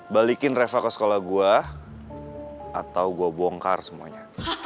balikin reva ke sekolah gue atau gue bongkar semuanya